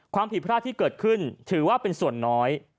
ความผิดพลาดที่เกิดขึ้นถือว่าเป็นส่วนน้อย